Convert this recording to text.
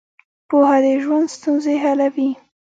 پوهه د ژوند ستونزې حلوي.